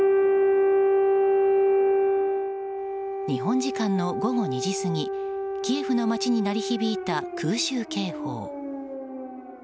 日本時間の午後２時過ぎキエフの街に鳴り響いた空襲警報。